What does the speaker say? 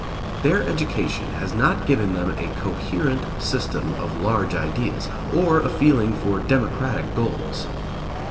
Their education has not given them a coherent system of large ideas, or a feeling for democratic goals.